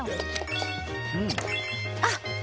あっ！